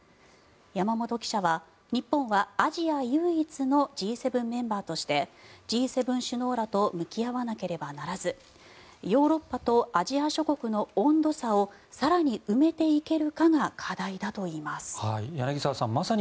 山本記者は日本はアジア唯一のＧ７メンバーとしてＧ７首脳らと向き合わなければならずヨーロッパとアジア諸国の温度差を更に埋めていけるかが課題だといいます。